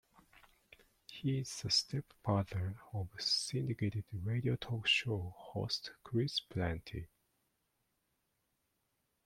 He is the stepfather of syndicated radio talk show host Chris Plante.